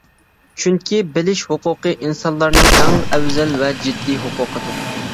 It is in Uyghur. چۈنكى بىلىش ھوقۇقى ئىنسانلارنىڭ ئەڭ ئەۋزەل ۋە جىددىي ھوقۇقىدۇر.